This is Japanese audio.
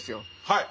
はい。